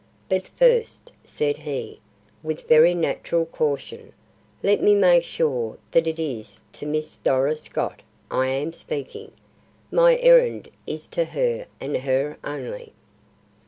"But first," said he, with very natural caution, "let me make sure that it is to Miss Doris Scott I am speaking. My errand is to her and her only."